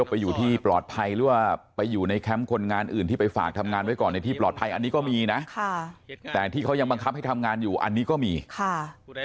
สารลูกหน่อยลงเหตุงานคุณมนต์เขาเลยเป็นสื่อกลางเพื่อขอความช่วยเหลือเขา